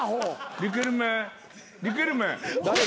リケルメリケルメ。